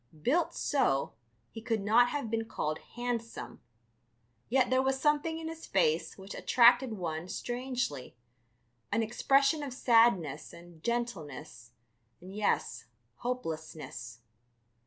Built so, he could not have been called handsome, yet there was something in his face which attracted one strangely, an expression of sadness and gentleness and, yes ... hopelessness.